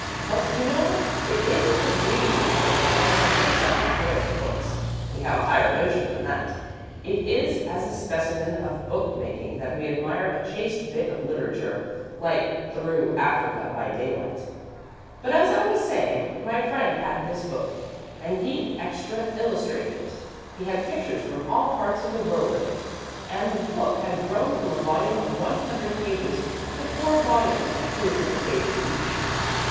"But, you know, it isn't as reading matter that men like myself care for books. We have a higher notion than that. It is as a specimen of book making that we admire a chaste bit of literature like Through Africa by Daylight. But, as I was saying, my friend had this book, and he'd extra illustrated it. He had pictures from all parts of the world in it, and the book had grown from a volume of one hundred pages to four volumes of two hundred pages each."